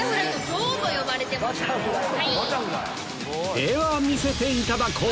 では見せていただこう！